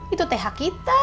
itu teh hak kita